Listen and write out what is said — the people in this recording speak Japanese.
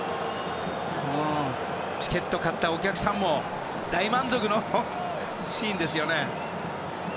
チケット買ったお客さんも大満足のシーンですよね。